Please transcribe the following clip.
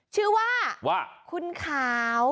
ชื่อว่าคุณขาว